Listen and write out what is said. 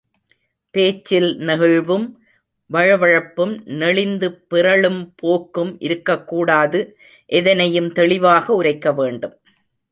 பேச்சில் நெகிழ்வும், வழவழப்பும், நெளிந்து பிறழும் போக்கும் இருக்கக்கூடாது எதனையும் தெளிவாக உரைக்க வேண்டும்.